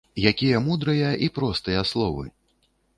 Якія мудрыя і простыя словы!